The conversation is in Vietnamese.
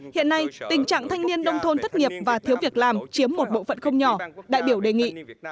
hiện nay tình trạng thanh niên nông thôn thất nghiệp và thiếu việc làm chiếm một bộ phận không nhỏ đại biểu đề nghị